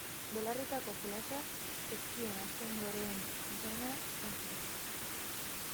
Belarrietako jolasa ezkien azken loreen usainak janzten du.